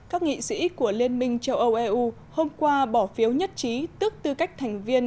các nghị sĩ của liên minh châu âu eu hôm qua bỏ phiếu nhất trí tức tư cách thành viên